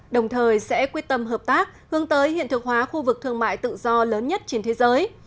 đồng thời sẽ quyết tâm hợp tác hướng tới hiện thực hóa khu vực thương mại tự do lớn nhất trên thế giới